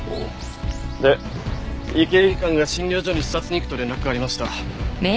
で医系技官が診療所に視察に行くと連絡がありました。